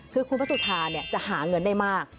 คือคุณพระสุธาจะหาเงินได้มาก